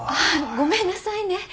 ごめんなさいね。